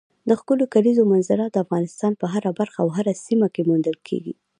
ښکلې کلیزو منظره د افغانستان په هره برخه او سیمه کې موندل کېږي.